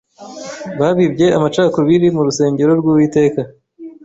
Babibye amacakubiri mu rusengero rwUwiteka